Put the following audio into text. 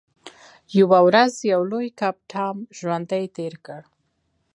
یوه ورځ یو لوی کب ټام ژوندی تیر کړ.